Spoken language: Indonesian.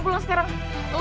lo harus pulang bareng gue ya